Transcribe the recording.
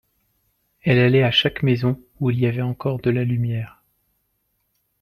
Elle allait à chaque maison où il y avait encore de la lumière.